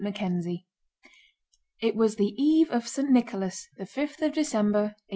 CHAPTER IX It was the eve of St. Nicholas, the fifth of December, 1820.